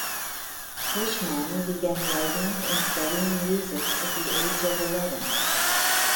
Frischmann began writing and studying music at the age of eleven.